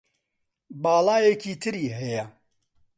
باڵایەکی تری هەیە